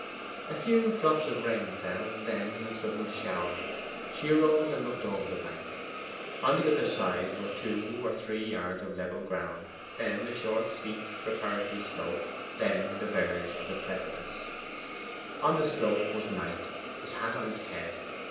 A few drops of rain fell, then a sudden shower. She arose, and looked over the bank. On the other side were two or three yards of level ground then a short steep preparatory slope then the verge of the precipice. On the slope was Knight, his hat on his head.